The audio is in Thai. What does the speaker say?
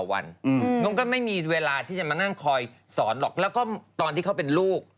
น้องก็ไม่มีเวลาที่จะมานั่งคอยสอนหรอกแล้วก็ตอนที่เขาเป็นลูก